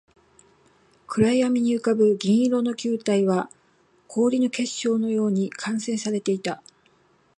暗闇に浮ぶ銀色の球体は、氷の結晶のように完成されていた